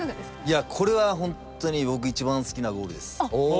いやこれは本当に僕一番好きなゴールです。